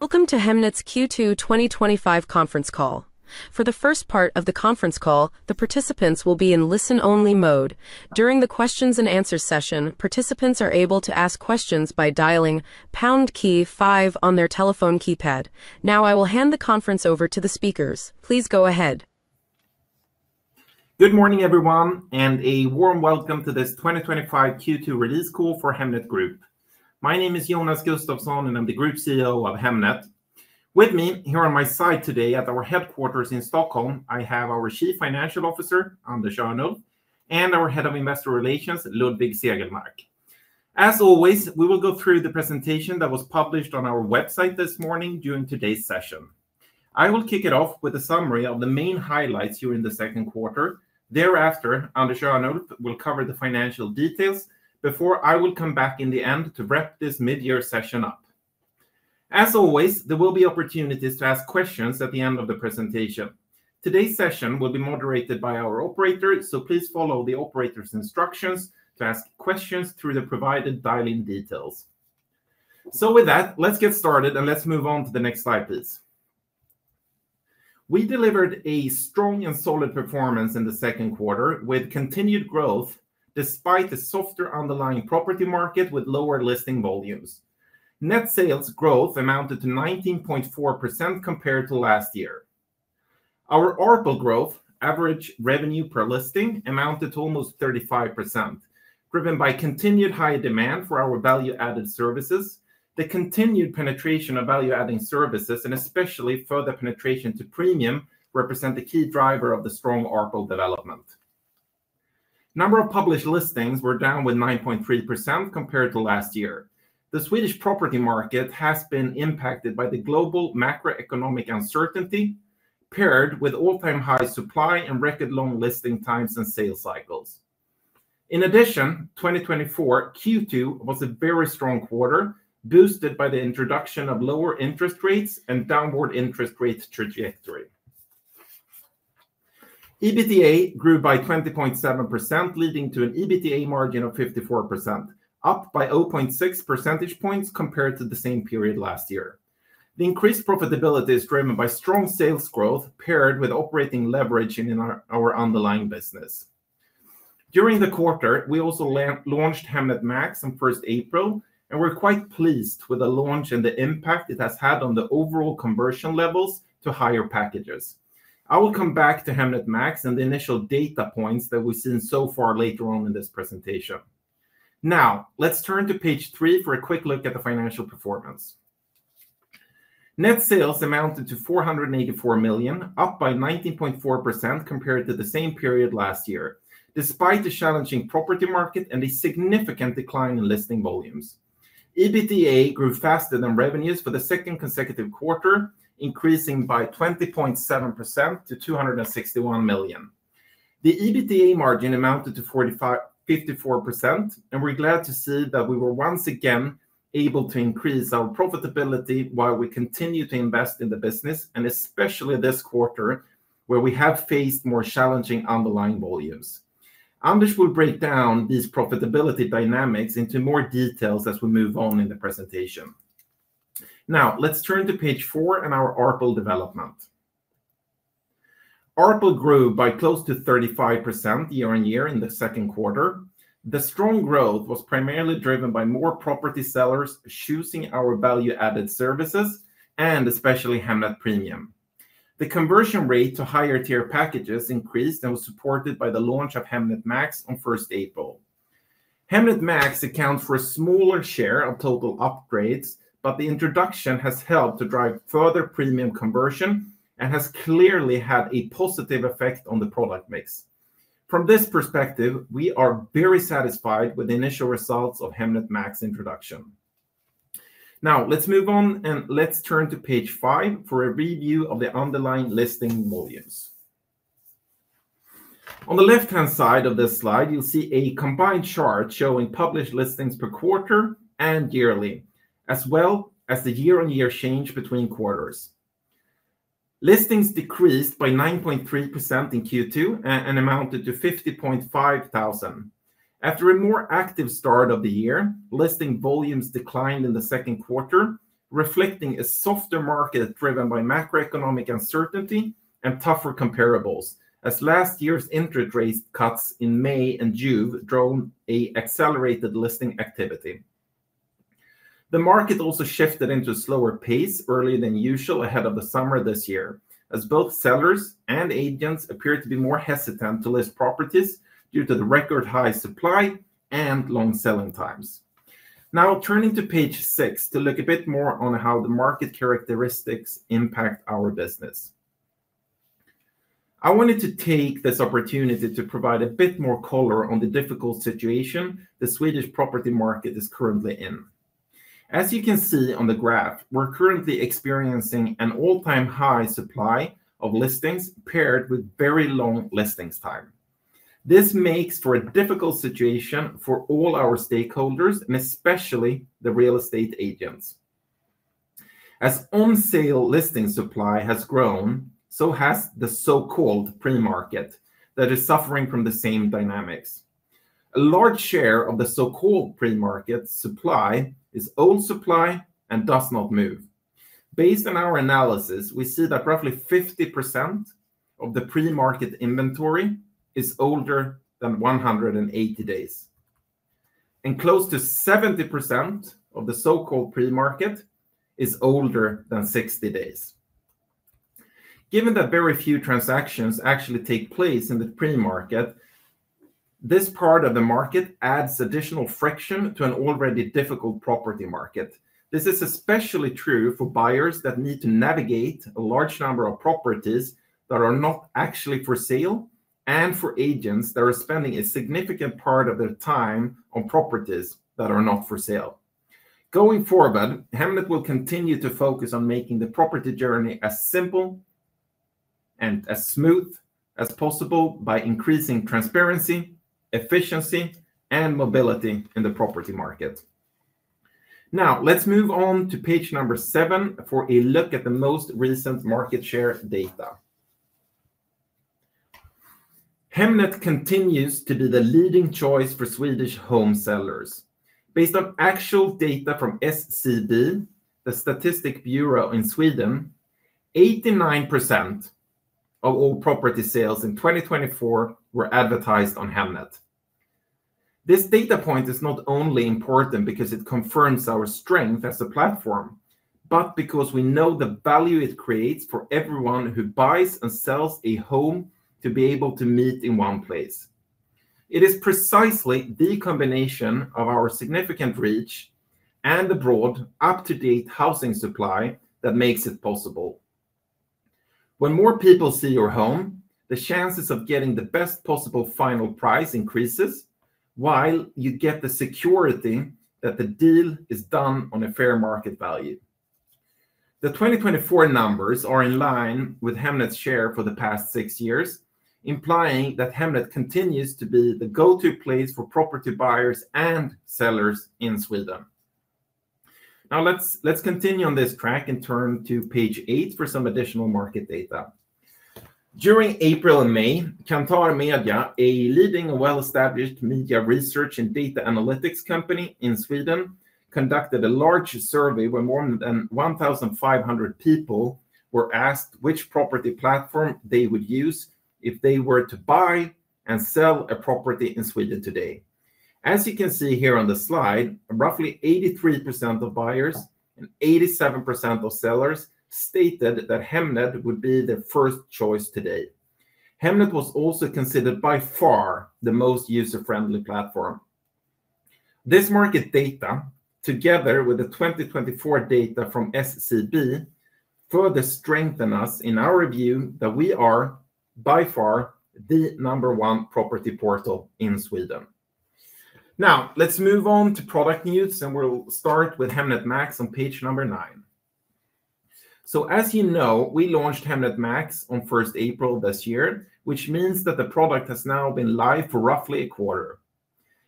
Welcome to HEMNET's Q2 twenty twenty five Conference Call. Now I will hand the conference over to the speakers. Please go ahead. Good morning, everyone, and a warm welcome to this twenty twenty five q two release call for Hemnet Group. My name is Jonas Gustafsson, and I'm the group CEO of Hemnet. With me here on my side today at our headquarters in Stockholm, I have our chief financial officer, Anders Janov, and our head of investor relations, Ludwig Siegelmark. As always, we will go through the presentation that was published on our website this morning during today's session. I will kick it off with a summary of the main highlights during the second quarter. Thereafter, Anders Jarnooth will cover the financial details before I will come back in the end to wrap this midyear session up. As always, there will be opportunities to ask questions at the end of the presentation. Today's session will be moderated by our operator, so please follow the operator's instructions to ask questions through the provided dial in details. So with that, let's get started and let's move on to the next slide, please. We delivered a strong and solid performance in the second quarter with continued growth despite the softer underlying property market with lower listing volumes. Net sales growth amounted to 19.4% compared to last year. Our ARPU growth average revenue per listing amounted to almost 35% driven by continued high demand for our value added services, The continued penetration of value adding services and especially further penetration to premium represent the key driver of the strong Arco development. Number of published listings were down with 9.3% compared to last year. The Swedish property market has been impacted by the global macroeconomic uncertainty paired with all time high supply and record long listing times and sales cycles. In addition, twenty twenty four q two was a very strong quarter boosted by the introduction of lower interest rates and downward interest rates trajectory. EBITDA grew by 20.7% leading to an EBITDA margin of 54%, up by o point six percentage points compared to the same period last year. The increased profitability is driven by strong sales growth paired with operating leverage in our our underlying business. During the quarter, we also launched Hemet Max on first April, and we're quite pleased with the launch and the impact it has had on the overall conversion levels to higher packages. I will come back to Hemet Max and the initial data points that we've seen so far later on in this presentation. Now let's turn to page three for a quick look at the financial performance. Net sales amounted to 484,000,000, up by 19.4% compared to the same period last year despite the challenging property market and a significant decline in listing volumes. EBITDA grew faster than revenues for the second consecutive quarter, increasing by 20.7% to 261,000,000. The EBITDA margin amounted to 45 54%, and we're glad to see that we were once again able to increase our profitability while we continue to invest in the business and especially this quarter where we have faced more challenging underlying volumes. Anders will break down these profitability dynamics into more details as we move on in the presentation. Now let's turn to page four and our ARPL development. ARPL grew by close to 35% year on year in the second quarter. The strong growth was primarily driven by more property sellers choosing our value added services and especially Hamlet Premium. The conversion rate to higher tier packages increased and was supported by the launch of Hemnet Max on first April. Hemnet Max account for a smaller share of total upgrades, but the introduction has helped to drive further premium conversion and has clearly had a positive effect on the product mix. From this perspective, we are very satisfied with the initial results of Hemnet Max introduction. Now let's move on and let's turn to page five for a review of the underlying listing volumes. On the left hand side of this slide, you'll see a combined chart showing published listings per quarter and yearly as well as the year on year change between quarters. Listings decreased by 9.3% in q two and amounted to 50,500. After a more active start of the year, listing volumes declined in the second quarter, reflecting a softer market driven by macroeconomic uncertainty and tougher comparables as last year's interest rates cuts in May and June drove a accelerated listing activity. The market also shifted into a slower pace early than usual ahead of the summer this year as both sellers and agents appeared to be more hesitant to list properties due to the record high supply and long selling times. Now turning to page six to look a bit more on how the market characteristics impact our business. I wanted to take this opportunity to provide a bit more color on the difficult situation the Swedish property market is currently in. As you can see on the graph, we're currently experiencing an all time high supply of listings paired with very long listings time. This makes for a difficult situation for all our stakeholders and especially the real estate agents. As on sale listing supply has grown, so has the so called premarket that is suffering from the same dynamics. A large share of the so called premarket supply is old supply and does not move. Based on our analysis, we see that roughly 50% of the premarket inventory is older than one hundred and eighty days. And close to 70% of the so called premarket is older than sixty days. Given that very few transactions actually take place in the premarket, this part of the market adds additional friction to an already difficult property market. This is especially true for buyers that need to navigate a large number of properties that are not actually for sale and for agents that are spending a significant part of their time on properties that are not for sale. Going forward, Hemlet will continue to focus on making the property journey as simple and as smooth as possible by increasing transparency, efficiency, and mobility in the property market. Now let's move on to page number seven for a look at the most recent market share data. Hemnet continues to be the leading choice for Swedish home sellers. Based on actual data from SCD, the statistic bureau in Sweden, 89% of all property sales in 2024 were advertised on Hamnet. This data point is not only important because it confirms our strength as a platform, but because we know the value it creates for everyone who buys and sells a home to be able to meet in one place. It is precisely the combination of our significant reach and the broad up to date housing supply that makes it possible. When more people see your home, the chances of getting the best possible final price increases while you get the security that the deal is done on a fair market value. The 2024 numbers are in line with Hemnet's share for the past six years, implying that Hemnet continues to be the go to place for property buyers and sellers in Sweden. Now let's let's continue on this track and turn to page eight for some additional market data. During April and May, Kantar Media, a leading well established media research and data analytics company in Sweden, conducted a large survey when more than 1,500 people were asked which property platform they would use if they were to buy and sell a property in Sweden today. As you can see here on the slide, roughly 83% of buyers and 87% of sellers stated that Hemnet would be the first choice today. Hemnet was also considered by far the most user friendly platform. This market data together with the 2024 data from SCB further strengthen us in our view that we are by far the number one property portal in Sweden. Now let's move on to product news, and we'll start with Hamnet Max on page number nine. So as you know, we launched Hamnet Max on first April this year, which means that the product has now been live for roughly a quarter.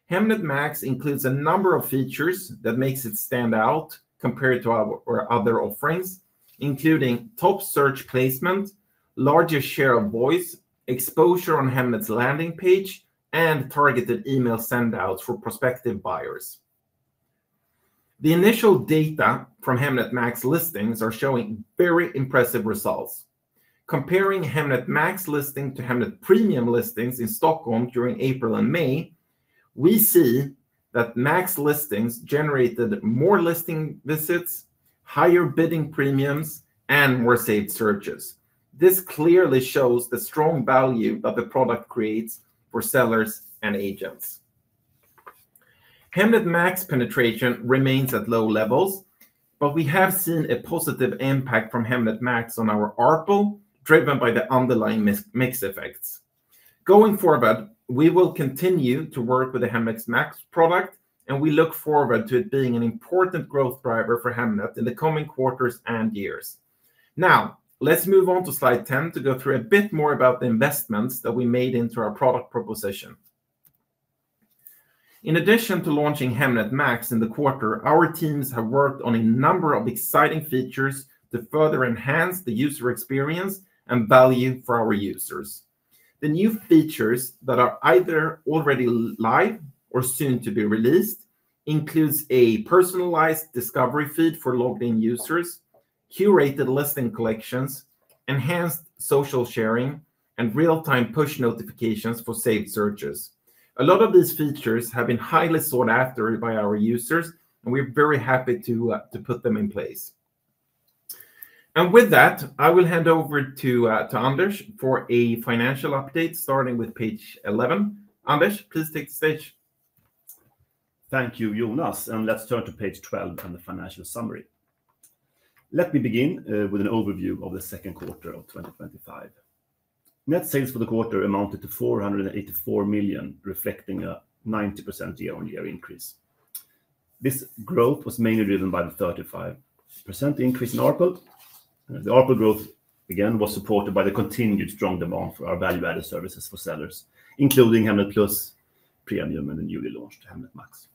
Hemnet Max includes a number of features that makes it stand out compared to our or other offerings, including top search placement, larger share of voice, exposure on Hemnet's landing page, and targeted email sendouts for prospective buyers. The initial data from Hemnet Max listings are showing very impressive results. Comparing Hemnet Max listing to Hemnet premium listings in Stockholm during April and May, we see that Max listings generated more listing visits, higher bidding premiums, and more saved searches. This clearly shows the strong value that the product creates for sellers and agents. Hemlik Max penetration remains at low levels, but we have seen a positive impact from Hemlik Max on our ARPO driven by the underlying mix effects. Going forward, we will continue to work with the Hemex Max product, and we look forward to it being an important growth driver for Hemex in the coming quarters and years. Now let's move on to slide 10 to go through a bit more about the investments that we made into our product proposition. In addition to launching Hemnet Max in the quarter, our teams have worked on a number of exciting features to further enhance the user experience and value for our users. The new features that are either already live or soon to be released includes a personalized discovery feed for logged in users, curated listing collections, enhanced social sharing, and real time push notifications for saved searches. A lot of these features have been highly sought after by our users, and we're very happy to to put them in place. And with that, I will hand over to to Anders for a financial update starting with page 11. Anders, please take the stage. Thank you, Jonas, and let's turn to page 12 and the financial summary. Let me begin with an overview of the second quarter of twenty twenty five. Net sales for the quarter amounted to SEK $484,000,000, reflecting a 90% year on year increase. This growth was mainly driven by the 35% increase in ARPU. The ARPU growth, again, was supported by the continued strong demand for our value added services for sellers, including HEMLET plus premium and the newly launched HEMLET MAX.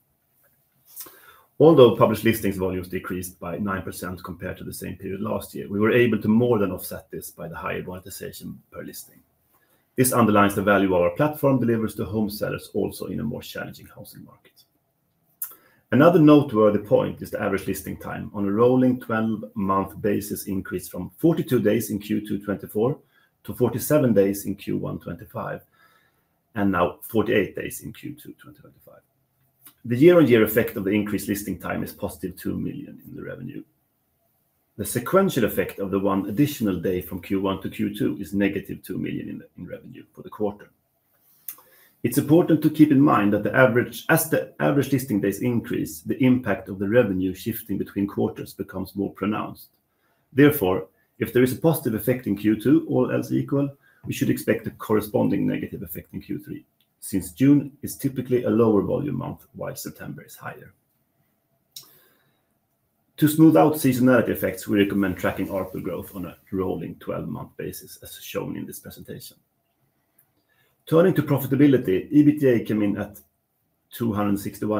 Although published listings volumes decreased by 9% compared to the same period last year, we were able to more than offset this by the higher monetization per listing. This underlines the value of our platform delivers to home sellers also in a more challenging housing market. Another noteworthy point is the average listing time on a rolling twelve month basis increased from forty two days in q two twenty four to forty seven days in q one twenty five and now forty eight days in q two twenty twenty five. The year on year effect of the increased listing time is positive 2,000,000 in the revenue. The sequential effect of the one additional day from q one to q two is negative 2,000,000 in revenue for the quarter. It's important to keep in mind that the average as the average listing days increase, the impact of the revenue shifting between quarters becomes more pronounced. Therefore, if there is a positive effect in Q2, all else equal, we should expect the corresponding negative effect in Q3, since June is typically a lower volume month, while September is higher. To smooth out seasonality effects, we recommend tracking ARPU growth on a rolling twelve month basis as shown in this presentation. Turning to profitability, EBITDA came in at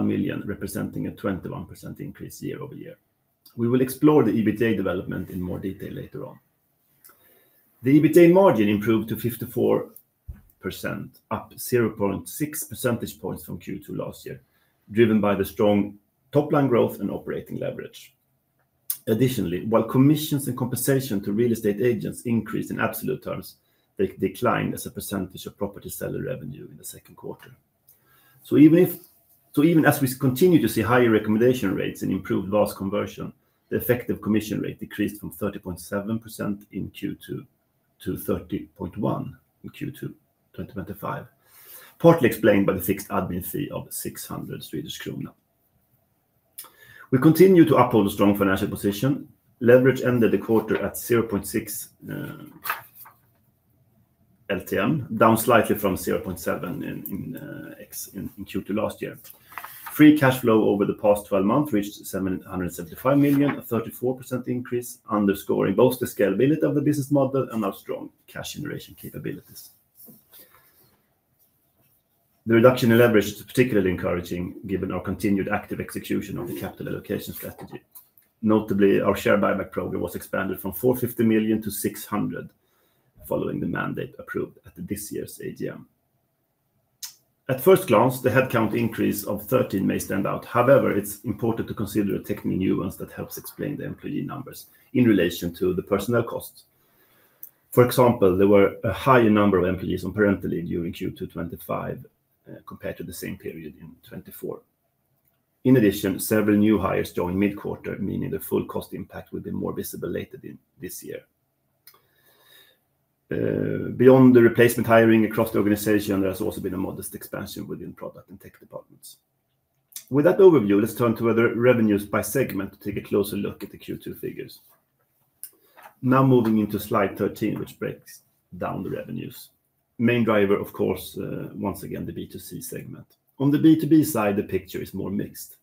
million, representing a 21% increase year over year. We will explore the EBITDA development in more detail later on. The EBITDA margin improved to 54%, up 0.6 percentage points from Q2 last year, driven by the strong top line growth and operating leverage. Additionally, while commissions and compensation to real estate agents increased in absolute terms, they declined as a percentage of property seller revenue in the second quarter. So even if so even as we continue to see higher recommendation rates and improved loss conversion, the effective commission rate decreased from 30.7% in q two to 30.1 in q two twenty twenty five, partly explained by the fixed admin fee of 600 Swedish kronor. We continue to uphold a strong financial position. Leverage ended the quarter at 0.6 LTM, down slightly from 0.7 in x in Q2 last year. Free cash flow over the past twelve months reached $775,000,000, a 34% increase, underscoring both the scalability of the business model and our strong cash generation capabilities. The reduction in leverage is particularly encouraging given our continued active execution of the capital allocation strategy. Notably, our share buyback program was expanded from SEK $450,000,000 to 600 following the mandate approved at this year's AGM. At first glance, the headcount increase of 13 may stand out. However, it's important to consider a technique nuance that helps explain the employee numbers in relation to the personnel costs. For example, there were a higher number of employees on parental leave during q two twenty five compared to the same period in '24. In addition, several new hires joined mid quarter, meaning the full cost impact would be more visible later this year. Beyond the replacement hiring across the organization, there's also been a modest expansion within product and tech departments. With that overview, let's turn to other revenues by segment to take a closer look at the Q2 figures. Now moving into Slide 13, which breaks down the revenues. Main driver, of course, once again, B2C segment. On the B2B side, the picture is more mixed.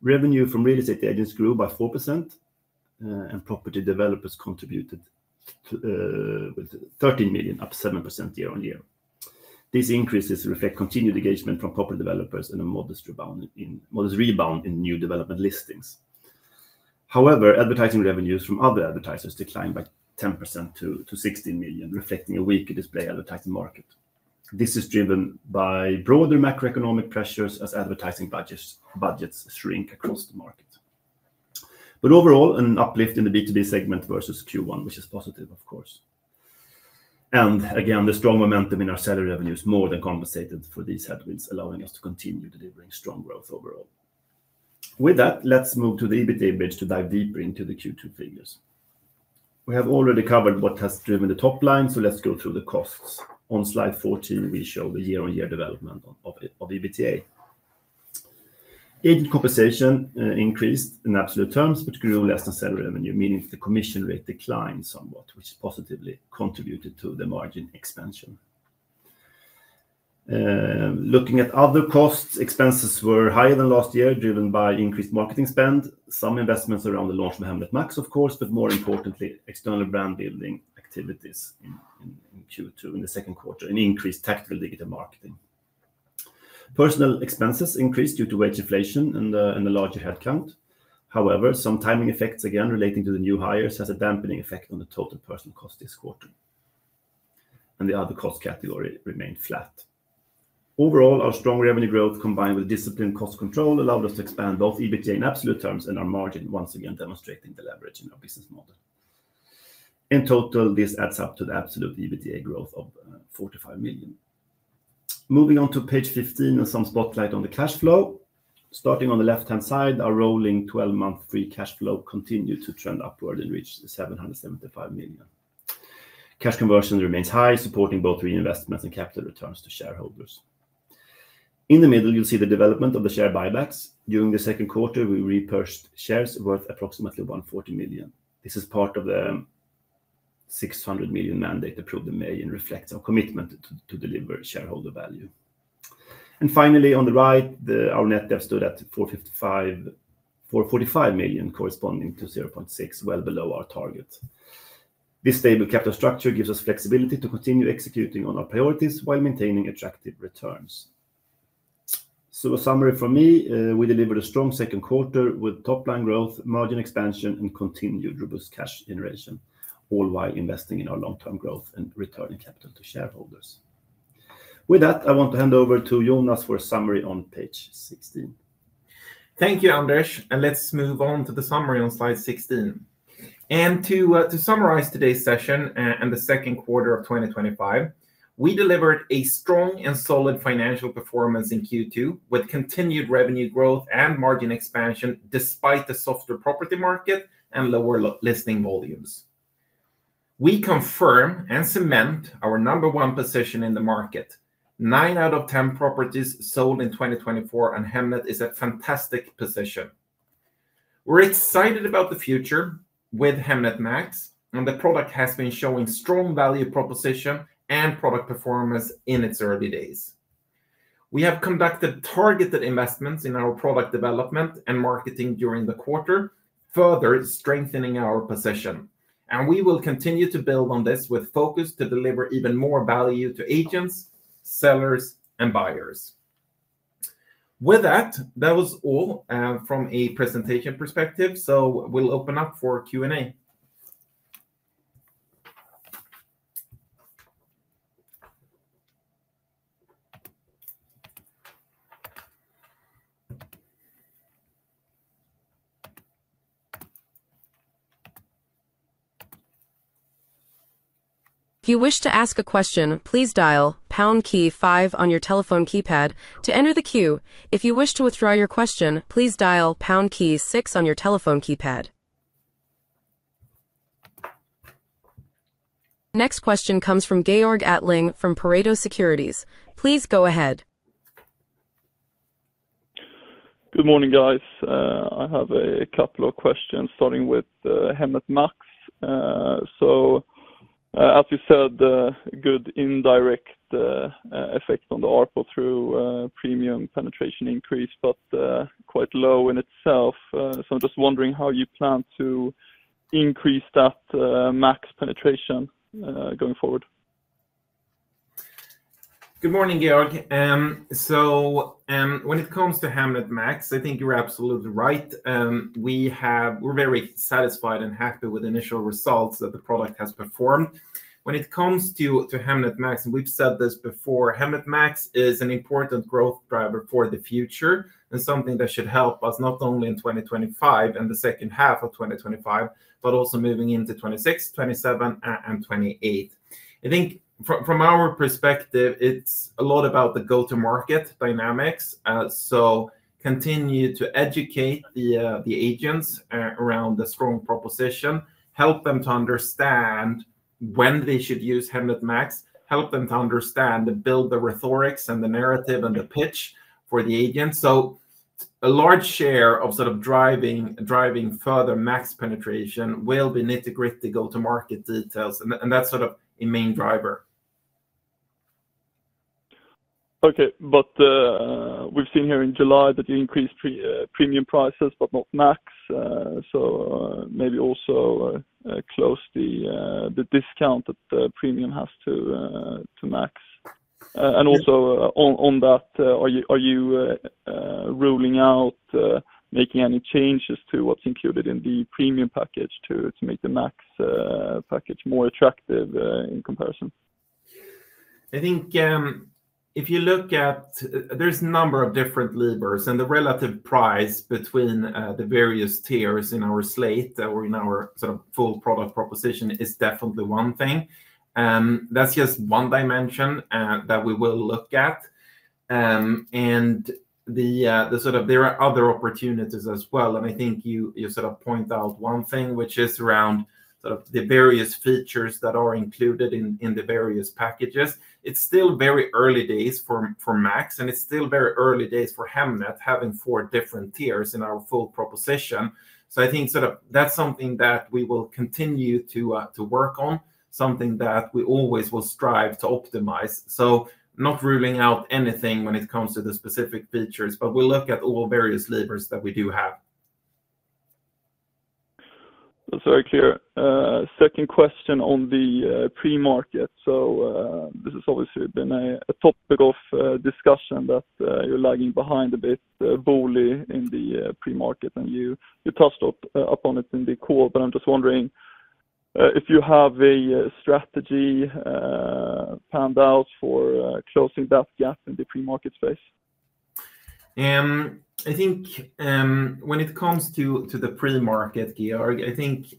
Revenue from real estate agents grew by 4% and property developers contributed to with 13,000,000, up 7% year on year. These increases reflect continued engagement from property developers and a modest rebound in modest rebound in new development listings. However, advertising revenues from other advertisers declined by 10% to to 16,000,000, reflecting a weaker display advertising market. This is driven by broader macroeconomic pressures as advertising budgets budgets shrink across the market. But overall, an uplift in the B2B segment versus Q1, which is positive, of course. And again, the strong momentum in our salary revenues more than compensated for these headwinds, allowing us to continue delivering strong growth overall. With that, let's move to the EBITDA bridge to dive deeper into the Q2 figures. We have already covered what has driven the top line, so let's go through the costs. On Slide 14, we show the year on year development of EBITDA. Agent compensation increased in absolute terms, which grew less than salary revenue, meaning the commission rate declined somewhat, which positively contributed to the margin expansion. Looking at other costs, expenses were higher than last year driven by increased marketing spend, some investments around the launch of the Hamlet Max, of course, but more importantly, external brand building activities in q two in the second quarter and increased tactical digital marketing. Personal expenses increased due to wage inflation and the larger headcount. However, some timing effects again relating to the new hires has a dampening effect on the total personal cost this quarter. And the other cost category remained flat. Overall, our strong revenue growth combined with disciplined cost control allowed us to expand both EBITDA in absolute terms and our margin once again demonstrating the leverage in our business model. In total, this adds up to the absolute EBITDA growth of 45,000,000. Moving on to Page 15 and some spotlight on the cash flow. Starting on the left hand side, our rolling twelve month free cash flow continued to trend upward and reached 775 million. Cash conversion remains high, supporting both reinvestments and capital returns to shareholders. In the middle, you'll see the development of the share buybacks. During the second quarter, we repurchased shares worth approximately 140,000,000. This is part of the 600,000,000 mandate approved in May and reflects our commitment to deliver shareholder value. And finally, on the right, our net debt stood at $445,000,000 corresponding to 0.6, well below our target. This stable capital structure gives us flexibility to continue executing on our priorities while maintaining attractive returns. So a summary from me, we delivered a strong second quarter with top line growth, margin expansion and continued robust cash generation, all while investing in our long term growth and returning capital to shareholders. With that, I want to hand over to Jonas for a summary on Page 16. Thank you, Anders. And let's move on to the summary on Slide 16. And to summarize today's session and the second quarter of twenty twenty five, we delivered a strong and solid financial performance in q two with continued revenue growth and margin expansion despite the softer property market and lower listing volumes. We confirm and cement our number one position in the market. Nine out of 10 properties sold in 2024, and Hemnet is a fantastic position. We're excited about the future with Hemnet Max, and the product has been showing strong value proposition and product performance in its early days. We have conducted targeted investments in our product development and marketing during the quarter, further strengthening our position. And we will continue to build on this with focus to deliver even more value to agents, sellers, and buyers. With that, that was all from a presentation perspective. So we'll open up for q and a. Next question comes from Georg Atling from Pareto Securities. Please go ahead. Good morning, guys. I have a couple of questions, starting with Hemet Max. So as you said, good indirect effect on the ARPU through premium penetration increase, but quite low in itself. So I'm just wondering how you plan to increase that max penetration going forward. Good morning, Georg. So when it comes to Hamlet Max, I think you're absolutely right. We have we're very satisfied and happy with initial results that the product has performed. When it comes to to Hamlet Max, we've said this before, Hamlet Max is an important growth driver for the future and something that should help us not only in 2025 and the second half of twenty twenty five, but also moving into '26, '27, and '28. I think from from our perspective, it's a lot about the go to market dynamics. So continue to educate the the agents around the strong proposition, help them to understand when they should use HemetMax, help them to understand and build the rhetorics and the narrative and the pitch for the agents. So a large share of sort of driving driving further max penetration will be nitty gritty go to market details, and and that's sort of a main driver. Okay. But we've seen here in July that you increased premium prices, but not max. So maybe also close the discount that premium has to max. And also on on that, are you are you ruling out making any changes to what's included in the premium package to to make the max package more attractive in comparison? I think if you look at there's a number of different levers, and the relative price between the various tiers in our slate that were in our sort of full product proposition is definitely one thing. That's just one dimension that we will look at. And the the sort of there are other opportunities as well, and I think you you sort of point out one thing, which is around sort of the various features that are included in in the various packages. It's still very early days for for Macs, and it's still very early days for Hamnet having four different tiers in our full proposition. So I think sort of that's something that we will continue to to work on, something that we always will strive to optimize. So not ruling out anything when it comes to the specific features, but we'll look at all various levers that we do have. That's very clear. Second question on the premarket. So this has obviously been a topic of discussion that you're lagging behind a bit boldly in the premarket. And you touched upon it in the call, but I'm just wondering if you have a strategy panned out for closing that gap in the premarket space. I think when it comes to to the premarket, Georg, I think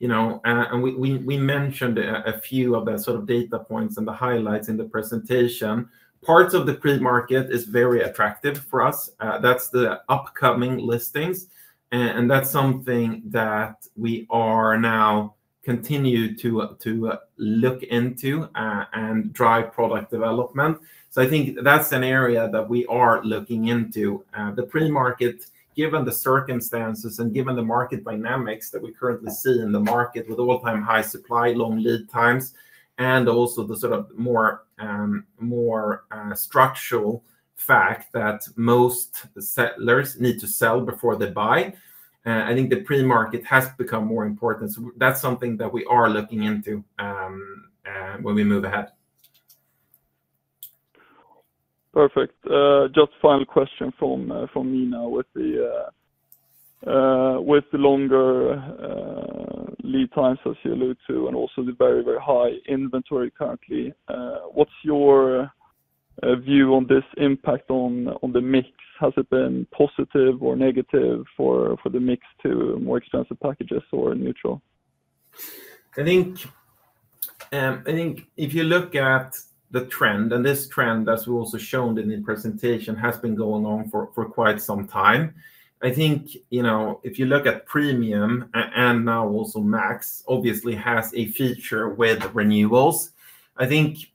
you know? And we we we mentioned a few of the sort of data points and the highlights in the presentation. Parts of the pre market is very attractive for us. That's the upcoming listings, that's something that we are now continue to to look into and drive product development. So I think that's an area that we are looking into. The pre market, given the circumstances and given the market dynamics that that we we currently see in the market with all time high supply, long lead times, and also the sort of more more structural fact that most settlers need to sell before they buy, I think the premarket has become more important. So that's something that we are looking into when we move ahead. Perfect. Just final question from from me now with the with the longer lead times, as you alluded to, and also the very, very high inventory currently. What's your view on this impact on the mix? Has it been positive or negative for for the mix to more expensive packages or neutral? I think I think if you look at the trend and this trend, as we also shown in the presentation, has been going on for for quite some time. I think, you know, if you look at premium and now also max, obviously, has a feature with renewals. I think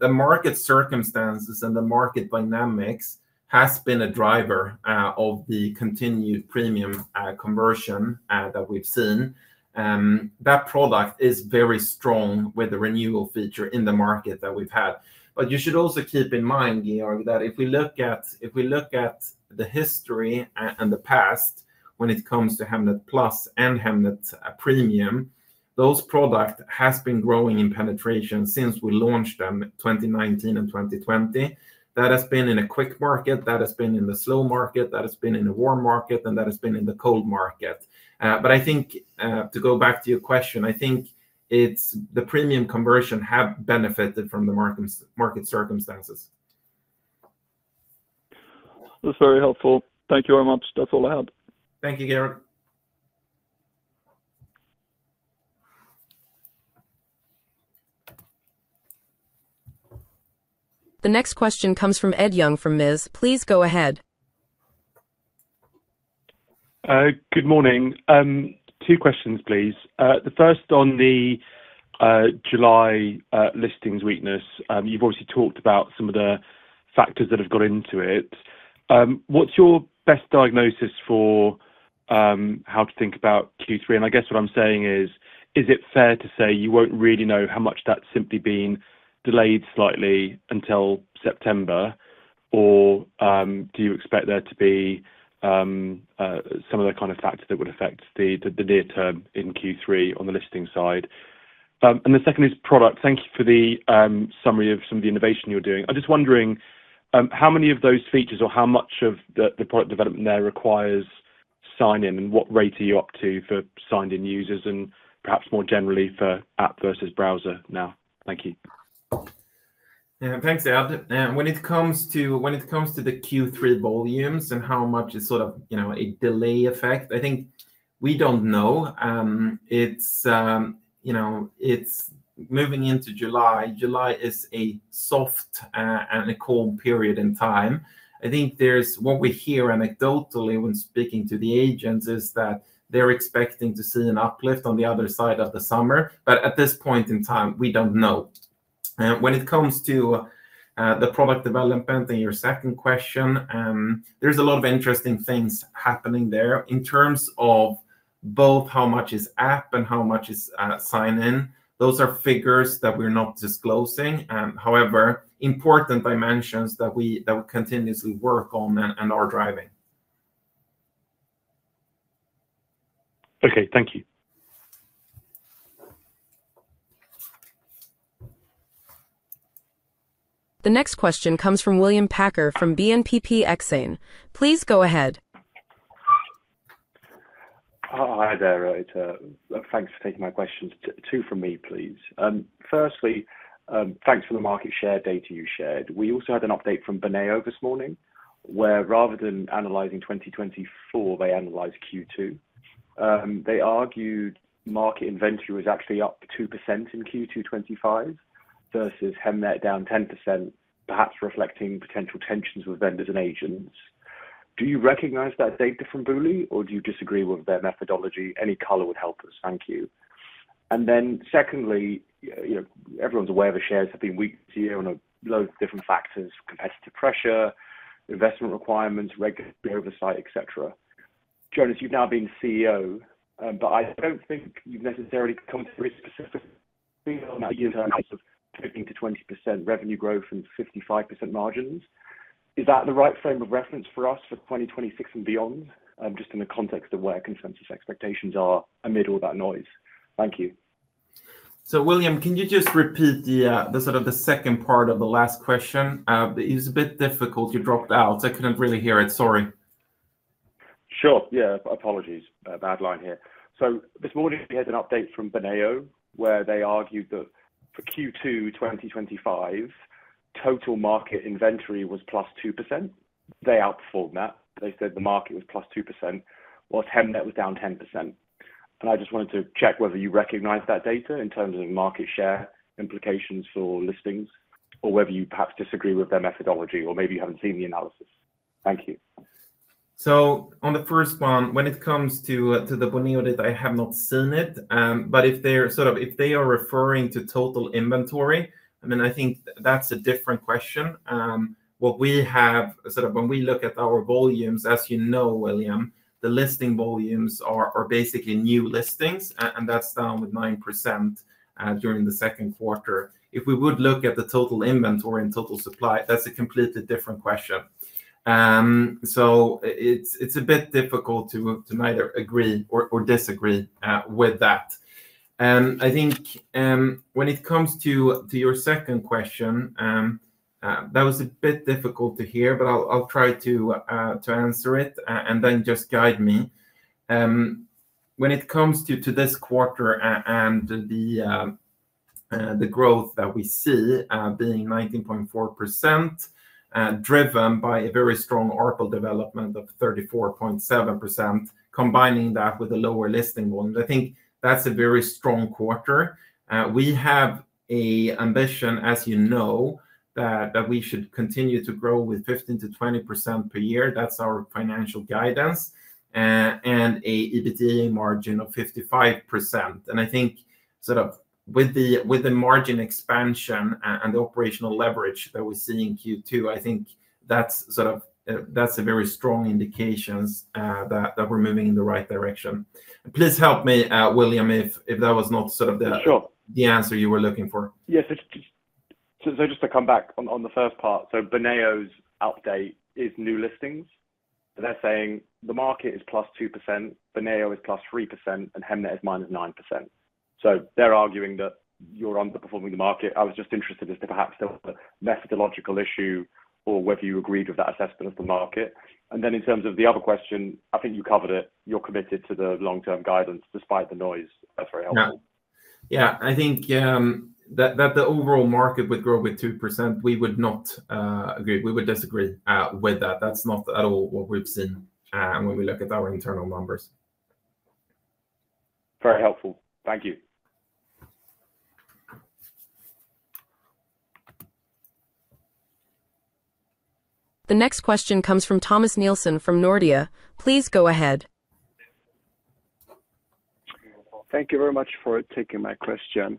the market circumstances and the market dynamics has been a driver of the continued premium conversion that we've seen. That product is very strong with the renewal feature in the market that we've had. But you should also keep in mind, you know, that if we look at if we look at the history and the past when it comes to Hamlet Plus and Hamlet Premium, those product has been growing in penetration since we launched them 2019 and 2020. That has been in a quick market. That has been in the slow market. That has been in the warm market, and that has been in the cold market. But I think, to go back to your question, I think it's the premium conversion have benefited from the markets market circumstances. That's very helpful. Thank you very much. That's all I had. Thank you, Garrett. The next question comes from Ed Young from Miz. Please go ahead. Good morning. Two questions, please. The first on the July listings weakness. You've obviously talked about some of the factors that have got into it. What's your best diagnosis for how to think about Q3? And I guess what I'm saying is, is it fair to say you won't really know how much that's simply been delayed slightly until September? Or do you expect there to be some of the kind of factors that would affect the near term in Q3 on the listing side? And the second is product. Thank you for the summary of some of the innovation you're doing. I'm just wondering, how many of those features or how much of the product development there requires sign in? And what rate are you up to for signed in users and perhaps more generally for app versus browser now? Thank you. Yeah. Thanks, Ead. When it comes to when it comes to the q three volumes and how much is sort of, you know, a delay effect, I think we don't know. It's, you know, it's moving into July. July is a soft and a cold period in time. I think there's what we hear anecdotally when speaking to the agents is that they're expecting to see an uplift on the other side of the summer. But at this point in time, we don't know. When it comes to the product development and your second question, there's a lot of interesting things happening there in terms of both how much is app and how much is sign in. Those are figures that we're not disclosing. However, important dimensions that we that we continuously work on and and are driving. Okay. Thank you. The next question comes from William Packer from BNPP Exane. Please go ahead. Hi there, Rohit. Thanks for taking my questions. Two from me, please. Firstly, thanks for the market share data you shared. We also had an update from Borneo this morning, where rather than analyzing 2024, they analyzed Q2. They argued market inventory was actually up 2% in Q2 twenty twenty five versus Hemnet down 10%, perhaps reflecting potential tensions with vendors and agents. Do you recognize that data from BULE or do you disagree with their methodology? Any color would help us. Thank you. And then secondly, everyone's aware of the shares have been weak to you on a load of different factors, competitive pressure, investment requirements, regulatory oversight, etcetera. Jonas, you've now been CEO, but I don't think you've necessarily come through a specific field now you've announced 15% to 20% revenue growth and 55% margins. Is that the right frame of reference for us for 2026 and beyond, just in the context of where consensus expectations are amid all that noise? Thank you. So William, can you just repeat the sort of the second part of the last question? It's a bit difficult. You dropped out. I couldn't really hear it. Sorry. Sure. Yes. Apologies. Bad line here. So this morning, we had an update from Beneo where they argued that for Q2 twenty twenty five, total market inventory was plus 2%. They outperformed that. They said the market was plus 2%, while Hemnet was down 10%. And I just wanted to check whether you recognize that data in terms of market share implications for listings or whether you perhaps disagree with their methodology or maybe you haven't seen the analysis. Thank you. So on the first one, when it comes to to the Bonneo data, I have not seen it. But if they're sort of if they are referring to total inventory, I mean, I think that's a different question. What we have sort of when we look at our volumes, as you know, William, the listing volumes are are basically new listings, and that's down with 9% during the second quarter. If we would look at the total inventory and total supply, that's a completely different question. So it's it's a bit difficult to to neither agree or or disagree with that. And I think when it comes to to your second question, that was a bit difficult to hear, but I'll I'll try to to answer it and then just guide me. When it comes due to this quarter and the growth that we see being 19.4% driven by a very strong Arco development of 34.7%, combining that with a lower listing one. I think that's a very strong quarter. We have a ambition, as you know, that that we should continue to grow with 15 to 20% per year. That's our financial guidance. And a EBITDA margin of 55%. And I think sort of with the with the margin expansion and the operational leverage that we see in q two, I think that's sort of that's a very strong indications that that we're moving in the right direction. Please help me, William, if if that was not sort of the Sure. The answer you were looking for. Yes. It's just so so just to come back on on the first part. So Boneo's update is new listings. They're saying the market is plus 2%, Boneo is plus 3%, and Hemnet is minus 9%. So they're arguing that you're underperforming the market. I was just interested as to perhaps the methodological issue or whether you agreed with that assessment of the market. And then in terms of the other question, I think you covered it. You're committed to the long term guidance despite the noise. That's very helpful. Yeah. I think that that the overall market would grow with 2%. We would not agree. We would disagree with that. That's not at all what we've seen when we look at our internal numbers. Very helpful. Thank you. The next question comes from Thomas Nielsen from Nordea. Please go ahead. Thank you very much for taking my question.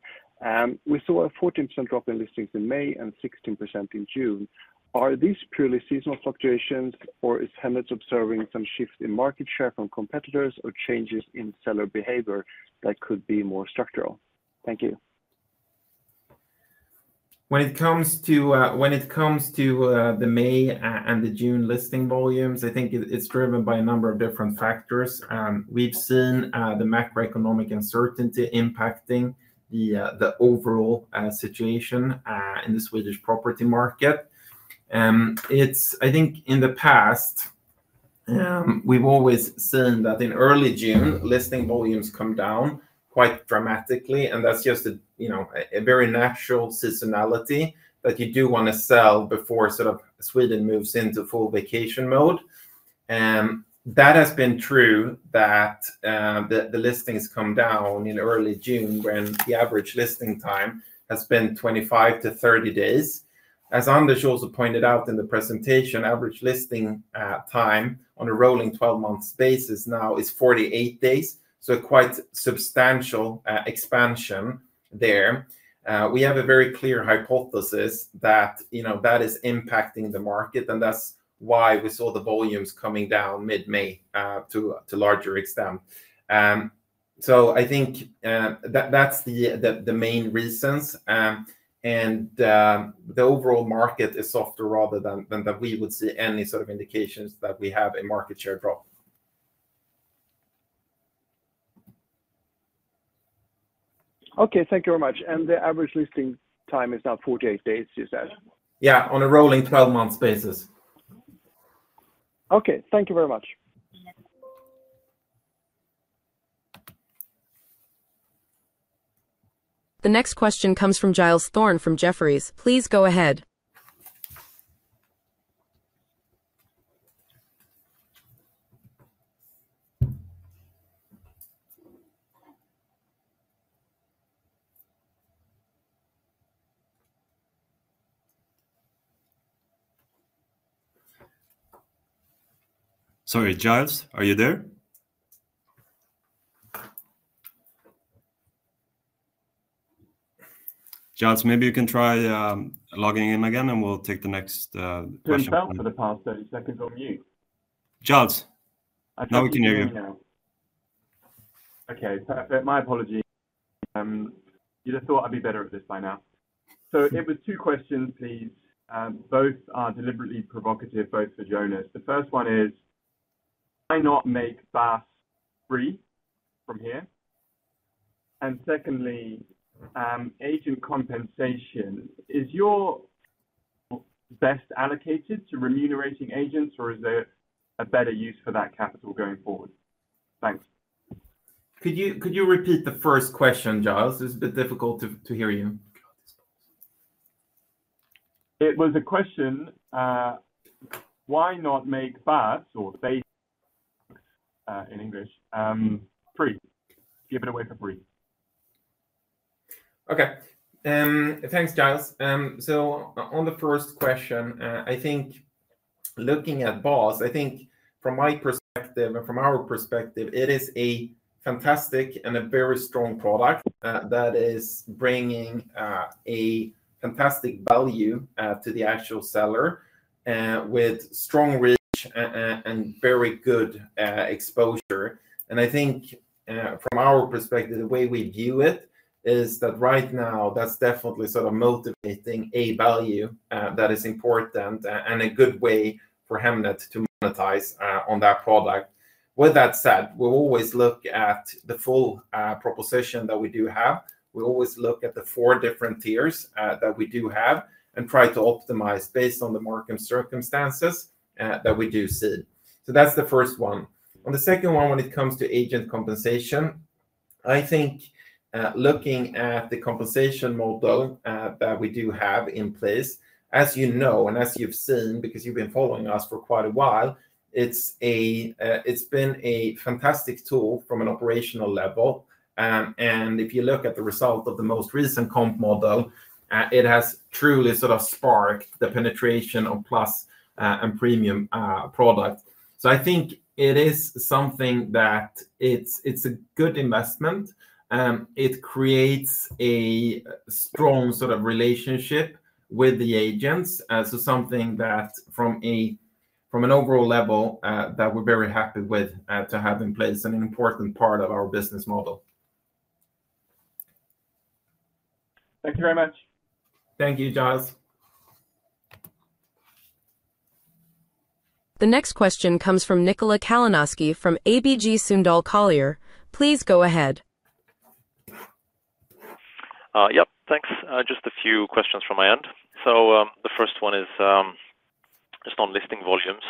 We saw a 14% drop in listings in May and 16% in June. Are these purely seasonal fluctuations? Or is Henness observing some shift in market share from competitors or changes in seller behavior that could be more structural? Thank you. When it comes to when it comes to the May and the June listing volumes, I think it it's driven by a number of different factors. We've seen the macroeconomic uncertainty impacting the the overall situation in the Swedish property market. It's I think in the past, we've always seen that in early June, listing volumes come down quite dramatically, and that's just a, you know, a a very natural seasonality that you do wanna sell before sort of Sweden moves into full vacation mode. That has been true that the the listings come down in early June when the average listing time has been twenty five to thirty days. As Anders also pointed out in the presentation, average listing time on a rolling twelve month basis now is forty eight days, so quite substantial expansion there. We have a very clear hypothesis that, you know, that is impacting the market, and that's why we saw the volumes coming down mid May to to larger extent. So I think that that's the the the main reasons. And the overall market is softer rather than than that we would see any sort of indications that we have a market share drop. Okay. Thank you very much. And the average listing time is now forty eight days, you said? Yes. On a rolling twelve months basis. Okay. Thank you very much. The next question comes from Giles Thorne from Jefferies. Sorry. Giles, are you there? Giles, maybe you can try logging in again, and we'll take the next Pushed out for the past thirty seconds on mute. Giles. Think can hear you. My apologies. You'd have thought I'd be better at this by now. So it was two questions, please. Both are deliberately provocative, both for Jonas. The first one is, I not make BaaS free from here. And secondly, agent compensation, is your best allocated to remunerating agents or is there a better use for that capital going forward? Thanks. Could you could you repeat the first question, Jas? It's a bit difficult to to hear you. It was a question, why not make bats or bats in English free? Give it away for free. Okay. Thanks, Giles. So on the first question, I think looking at BOSS, I think from my perspective and from our perspective, it is a fantastic and a very strong product that is bringing a fantastic value to the actual seller with strong reach and very good exposure. And I think from our perspective, the way we view it is that right now, that's definitely sort of motivating a value that is important and a good way for Hemnet to monetize on that product. With that said, we'll always look at the full proposition that we do have. We always look at the four different tiers that we do have and try to optimize based on the market circumstances that we do see. So that's the first one. On the second one, when it comes to agent compensation, I think looking at the compensation model that we do have in place, As you know and as you've seen because you've been following us for quite a while, it's a it's been a fantastic tool from an operational level. And if you look at the result of the most recent comp model, it has truly sort of sparked the penetration of plus and premium product. So I think it is something that it's it's a good investment. It creates a strong sort of relationship with the agents as to something that from a from an overall level that we're very happy with to have in place and an important part of our business model. Thank you very much. Thank you, Jaz. The next question comes from Nikola Kalanowski from ABG Sundal Collier. Please go ahead. Yes, thanks. Just a few questions from my end. So the first one is just on listing volumes.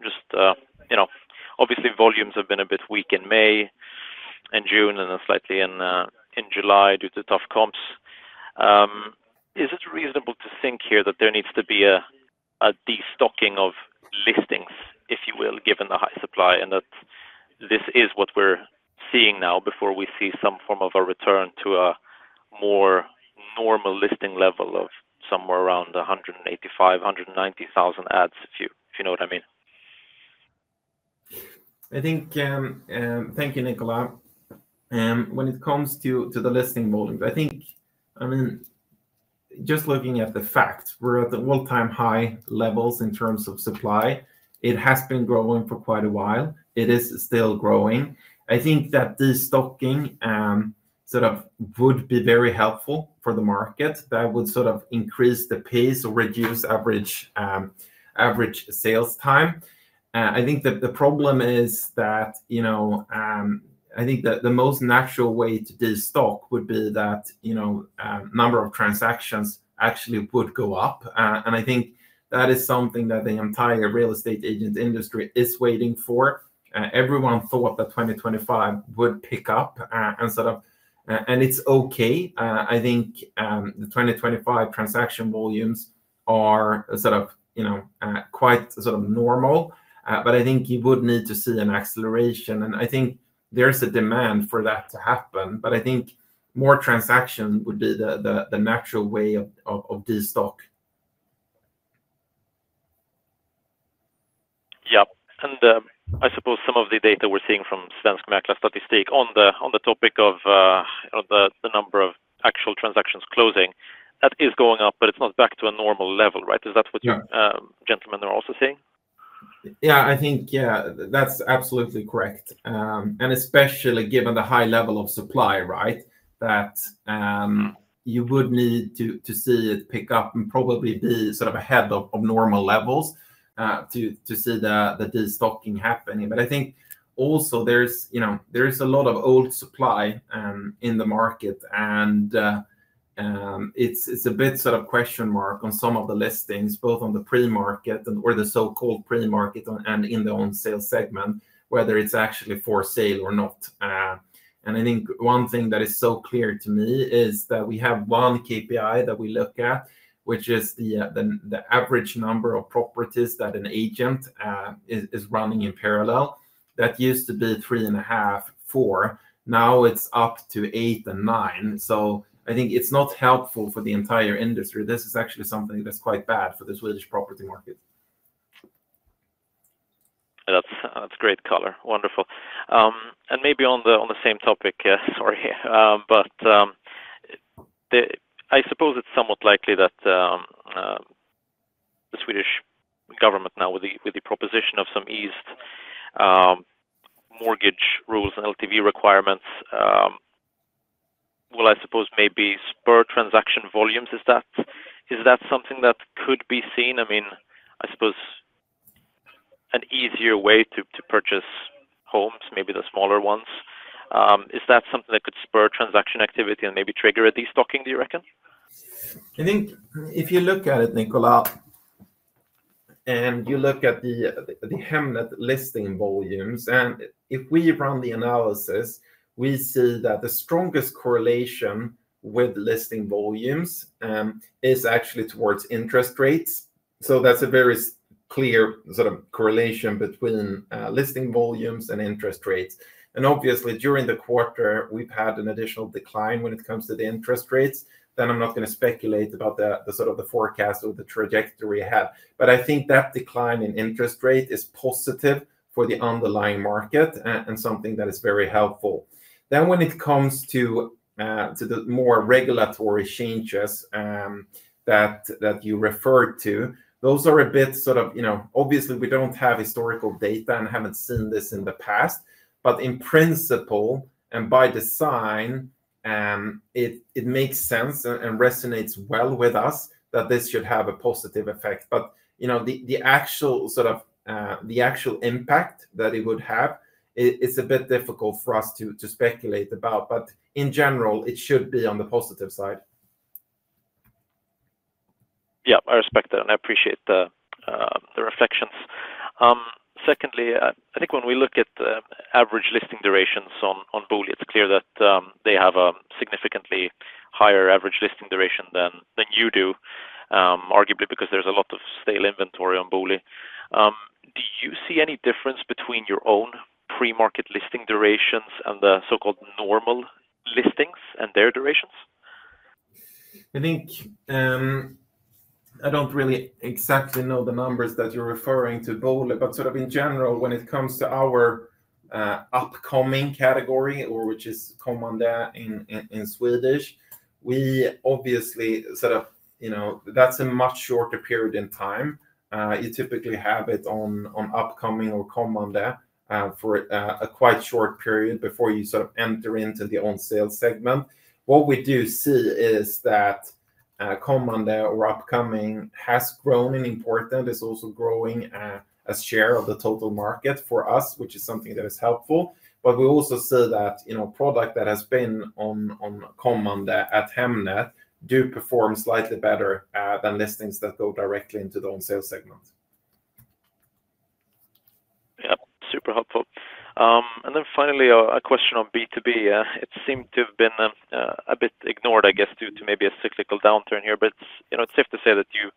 Just obviously, have been a bit weak in May and June and then slightly in July due to tough comps. Is it reasonable to think here that there needs to be a destocking of listings, if you will, given the high supply and that this is what we're seeing now before we see some form of a return to a more normal listing level of somewhere around 185,000, 190,000 ads, if you know what I mean? I think thank you, Nicolas. When it comes to to the listing volume, I think I mean, just looking at the fact, we're at the all time high levels in terms of supply. It has been growing for quite a while. It is still growing. I think that destocking sort of would be very helpful for the market that would sort of increase the pace or reduce average average sales time. I think that the problem is that, you know, I think that the most natural way to destock would be that, you know, number of transactions actually would go up. And I think that is something that the entire real estate agent industry is waiting for. Everyone thought that 2025 would pick up, instead of and it's okay. I think, the twenty twenty five transaction volumes are sort of, you know, quite sort of normal, but I think you would need to see an acceleration. And I think there's a demand for that to happen, but I think more transaction would be the the the natural way of of of this stock. Yep. And I suppose some of the data we're seeing from Stansk and Atlas that is stake on the topic of the number of actual transactions closing, that is going up, but it's not back to a normal level. Right? Is that what your gentlemen are also saying? Yeah. I think yeah. That's absolutely correct. And especially given the high level of supply, right, that you would need to to see it pick up and probably be sort of ahead of of normal levels to to see the the destocking happening. But I think also there's, you know, there's a lot of old supply in the market, and it's it's a bit sort of question mark on some of the listings both on the pre market and where the so called pre market and in the on sale segment, whether it's actually for sale or not. And I think one thing that is so clear to me is that we have one KPI that we look at, which is the the the average number of properties that an agent is is running in parallel. That used to be three and a half, four. Now it's up to eight and nine. So I think it's not helpful for the entire industry. This is actually something that's quite bad for the Swedish property market. That's great color. Wonderful. And maybe on the same topic, sorry. But I suppose it's somewhat likely that the Swedish government now with the proposition of some eased mortgage rules and LTV requirements, will I suppose maybe spur transaction volumes. Is that something that could be seen? I mean, I suppose an easier way to to purchase homes, maybe the smaller ones. Is that something that could spur transaction activity and maybe trigger a destocking, do you reckon? I think if you look at it, Nicolas, and you look at the the HEMNET listing volumes, and if we run the analysis, we see that the strongest correlation with listing volumes is actually towards interest rates. So that's a very clear sort of correlation between listing volumes and interest rates. And, obviously, during the quarter, we've had an additional decline when it comes to the interest rates. Then I'm not gonna speculate about the the sort of the forecast or the trajectory we have. But I think that decline in interest rate is positive for the underlying market and something that is very helpful. Then when it comes to to the more regulatory changes that that you referred to. Those are a bit sort of you know, obviously, we don't have historical data and haven't seen this in the past. But in principle and by design, it it makes sense and resonates well with us that this should have a positive effect. But, you know, the the actual sort of the actual impact that it would have, it it's a bit difficult for us to to speculate about. But in general, it should be on the positive side. Yeah. I respect that, and I appreciate the reflections. Secondly, I think when we look at the average listing durations on Bully, it's clear that they have a significantly higher average listing duration than you do, arguably because there's a lot of sale inventory on Bully. Do you see any difference between your own premarket listing durations and the so called normal listings and their durations? I think I don't really exactly know the numbers that you're referring to, BOLI. But sort of in general, when it comes to our upcoming category or which is common there in in in Swedish, we obviously set up you know, that's a much shorter period in time. You typically have it on on upcoming or for a quite short period before you sort of enter into the on sales segment. What we do see is that Comande or upcoming has grown in important. It's also growing a share of the total market for us, which is something that is helpful. But we also see that, you know, product that has been on on common at Hemnet do perform slightly better than listings that go directly into the on sale segment. Yep. Super helpful. And then finally, a question on b to b. It seemed to have been a bit ignored, guess, to maybe a cyclical downturn here. But it's safe to say that you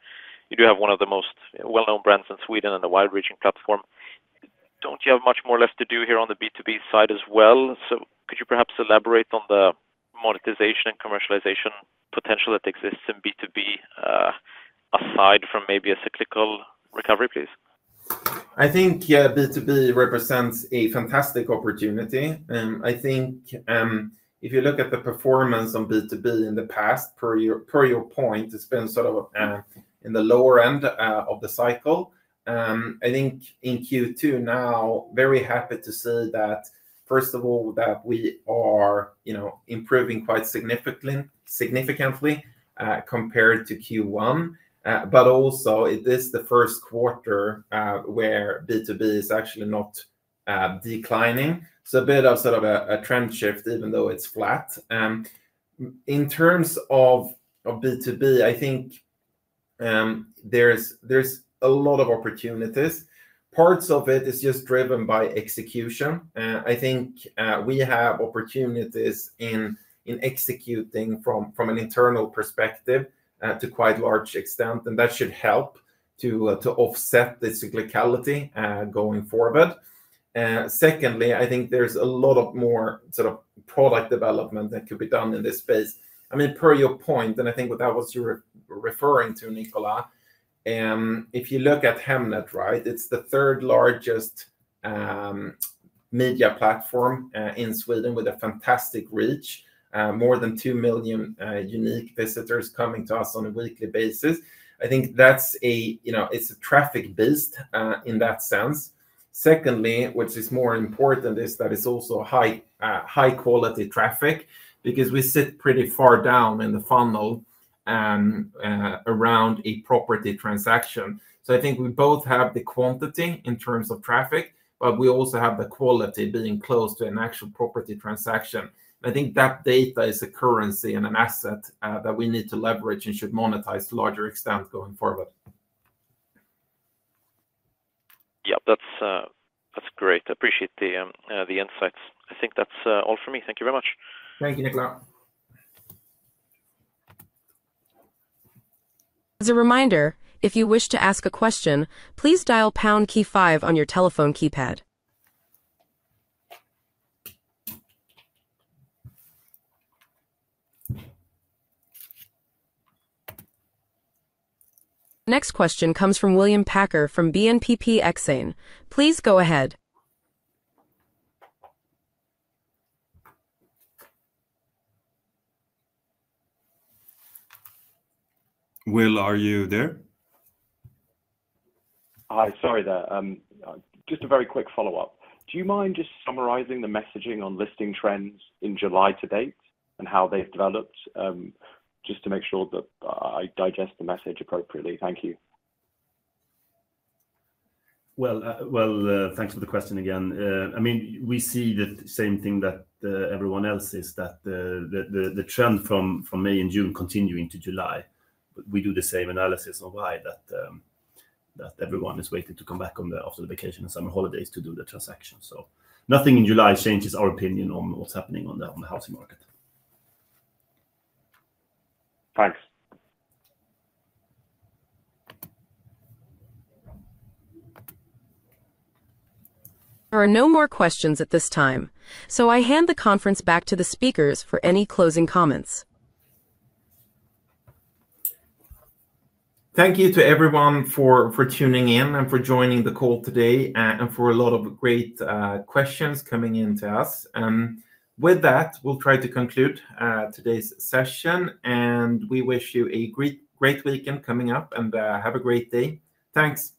do have one of the most well known brands in Sweden and the wide reaching platform. Don't you have much more left to do here on the B2B side as well? So could you perhaps elaborate on the monetization and commercialization potential that exists in b to b aside from maybe a cyclical recovery, please? I think, yeah, b to b represents a fantastic opportunity. And I think if you look at the performance on build to build in the past, per your per your point, it's been sort of in the lower end of the cycle. I think in q two now, very happy to say that, first of all, that we are, you know, improving quite significant significantly compared to q one. But, also, it is the first quarter where b to b is actually not declining. So a bit of sort of a a trend shift even though it's flat. In terms of of b to b, I think there's there's a lot of opportunities. Parts of it is just driven by execution. I think we have opportunities in in executing from from an internal perspective to quite large extent, and that should help to to offset the cyclicality going forward. Secondly, I think there's a lot of more sort of product development that could be done in this space. I mean, per your point, and I think what that was you were referring to, Nicolas, if you look at Hamnet, right, it's the third largest media platform in Sweden with a fantastic reach. More than 2,000,000 unique visitors coming to us on a weekly basis. I think that's a you know, it's a traffic boost in that sense. Secondly, which is more important is that it's also high high quality traffic because we sit pretty far down in the funnel around a property transaction. So I think we both have the quantity in terms of traffic, but we also have the quality being close to an actual property transaction. I think that data is a currency and an asset that we need to leverage and should monetize larger extent going forward. Yep. That's that's great. Appreciate the the insights. I think that's all for me. Thank you very much. Thank you, Nikola. Next question comes from William Packer from BNPP Exane. Please go ahead. Will, are you there? Hi. Sorry there. Just a very quick follow-up. Do you mind just summarizing the messaging on listing trends in July to date and how they've developed just to make sure that I digest the message appropriately? Thank you. Well well, thanks for the question again. I mean, we see the same thing that everyone else is that the the trend from from May and June continuing to July. But we do the same analysis on why that that everyone is waiting to come back on the off of the vacation and summer holidays to do the transaction. So nothing in July changes our opinion on what's happening on the on the housing market. Thanks. There are no more questions at this time. So I hand the conference back to the speakers for any closing comments. Thank you to everyone for for tuning in and for joining the call today and for a lot of great questions coming in to us. And with that, we'll try to conclude today's session, and we wish you a great great weekend coming up. And have a great day. Thanks.